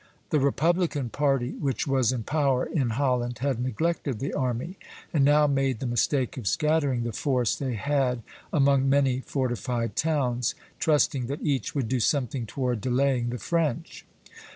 The republican party which was in power in Holland had neglected the army, and now made the mistake of scattering the force they had among many fortified towns, trusting that each would do something toward delaying the French.